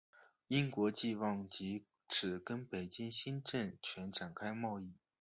英国冀望藉此跟北京新政权展开贸易。